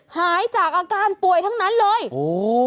หายจากอาการป่วยทั้งนั้นเลยโอ้โห